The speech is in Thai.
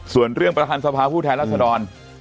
ส่วนเรื่องประธานสภาผู้แทนรัศดร